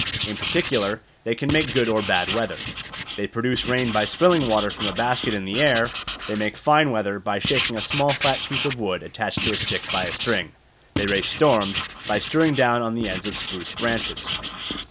In particular they can make good or bad weather. They produce rain by spilling water from a basket in the air; they make fine weather by shaking a small flat piece of wood attached to a stick by a string; they raise storms by strewing down on the ends of spruce branches.